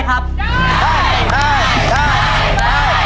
ไม่ได้ครับ